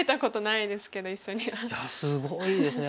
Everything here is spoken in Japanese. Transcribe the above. いやすごいですね。